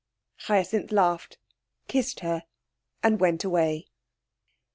Hyacinth laughed, kissed her, and went away.